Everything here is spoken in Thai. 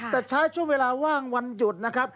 แต่ใช้ช่วงเวลาว่างวันหยุดนะครับ